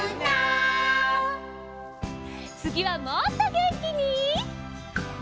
つぎはもっとげんきに！